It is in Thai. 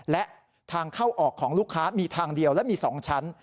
และทางเข้าออกของลูกค้ามีทางเดียวและมี๒ชั้น